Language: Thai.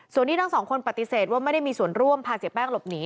ส่วนที่ทั้งสองคนปฏิเสธว่าไม่ได้มีส่วนร่วมพาเสียแป้งหลบหนี